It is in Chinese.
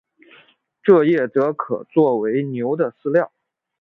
蔗叶则可做为牛的饲料。